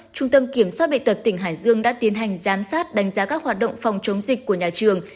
trung tâm kiểm soát bệnh tật tỉnh hải dương đã tiến hành giám sát đánh giá các hoạt động phòng chống dịch của nhà trường